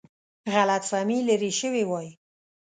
غلط فهمي لیرې شوې وای.